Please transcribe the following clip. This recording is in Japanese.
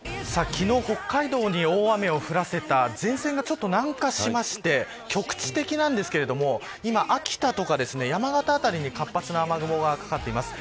昨日北海道に大雨を降らせた前線がちょっと南下しまして局地的ですが、今秋田とか山形辺りに活発な雨雲がかかっています。